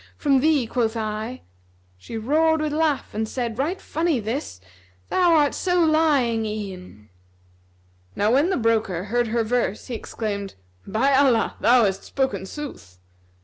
from thee,' quoth I: She roared with laugh and said, 'Right funny this; * Thou art so lying e'en Now when the broker heard her verse he exclaimed, "By Allah thou hast spoken sooth!"